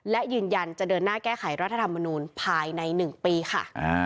และยืนยันจะเดินหน้าแก้ไขรัฐธรรมนูลภายใน๑ปีค่ะ